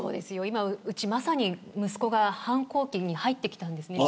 うちまさに息子が反抗期に入ってきたんですね